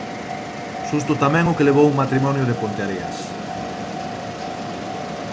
Susto tamén o que levou un matrimonio de Ponteareas.